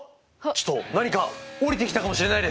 ちょっと何か降りてきたかもしれないです！